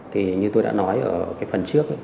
thì như tôi đã nói ở cái phần trước